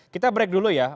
kita break dulu ya